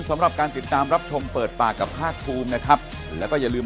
สำหรับการติดตามรับชมเปิดปากกับภาคภูมินะครับแล้วก็อย่าลืม